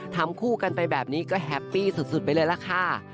ทำคู่กันไปแบบนี้ก็แฮปปี้สุดไปเลยล่ะค่ะ